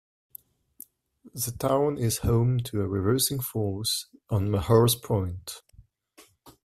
The town is home to a reversing falls on Mahar's Point.